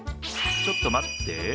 ちょっと待って。